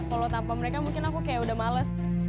kalau tanpa mereka mungkin aku kayak udah males